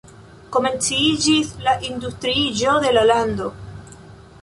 Komenciĝis la industriiĝo de la lando.